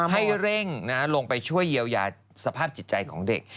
ให้เร่งลงไปช่วยเยียวยาสภาพจิตใจของเด็ก